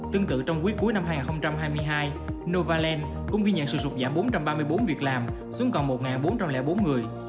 tương tự trong quý cuối năm hai nghìn hai mươi hai novaland cũng ghi nhận sự sụt giảm bốn trăm ba mươi bốn việc làm xuống còn một bốn trăm linh bốn người